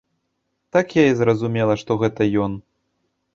Так я і зразумела, што гэта ён.